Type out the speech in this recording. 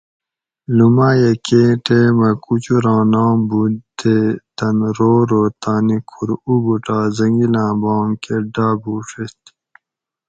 لوماۤیہ کیں ٹیمہ کُچوراں نام بود تے تن رو رو تانی کھُور اُبوٹا زنگِلاں بام کہ ڈابُوڛیت